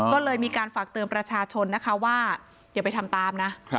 ก็เลยมีการฝากเตือนประชาชนนะคะว่าอย่าไปทำตามนะ